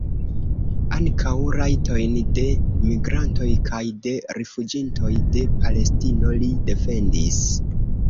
Ankaŭ rajtojn de migrantoj kaj de rifuĝintoj de Palestino li defendis.